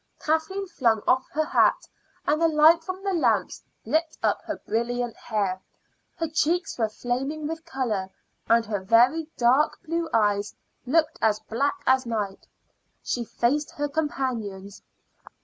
Kathleen flung off her hat, and the light from the lamps lit up her brilliant hair. Her cheeks were flaming with color, and her very dark blue eyes looked as black as night. She faced her companions.